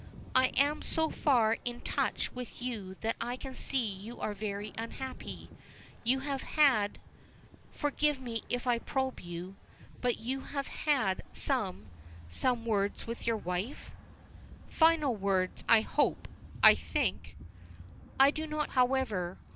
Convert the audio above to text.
I am so far in touch with you that I can see you are very unhappy. You have had forgive me if I probe you but you have had some some words with your wife?" "Final words! I hope I think." "I do not, however.